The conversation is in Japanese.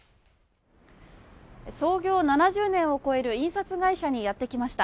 創業７０年を超える印刷会社にやってきました。